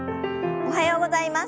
おはようございます。